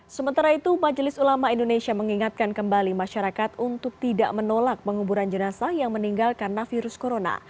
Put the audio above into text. sementara itu majelis ulama indonesia mengingatkan kembali masyarakat untuk tidak menolak penguburan jenazah yang meninggal karena virus corona